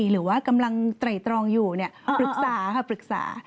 หรือว่ากำลังไตรตรองอยู่ปรึกษาค่ะปรึกษา